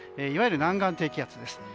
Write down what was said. いわゆる南岸低気圧です。